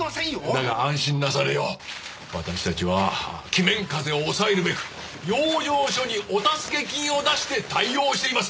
だが安心なされよ私たちは鬼面風邪を抑えるべく養生所にお助け金を出して対応しています